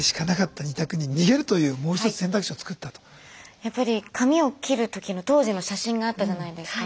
やっぱり髪を切る時の当時の写真があったじゃないですか。